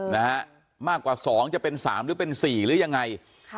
นะฮะมากกว่าสองจะเป็นสามหรือเป็นสี่หรือยังไงค่ะ